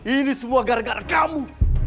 ini semua gara gara kamu